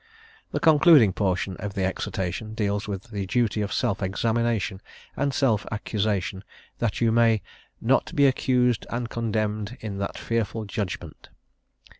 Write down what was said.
The concluding portion of the exhortation deals with the duty of self examination and self accusation, that you may "not be accused and condemned in that fearful judgment."